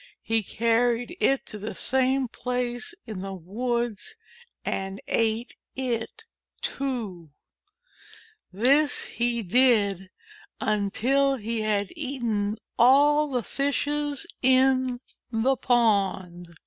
He carried it to the same place in the woods and ate it, too. This he did until he had eaten all the Fishes in the pond.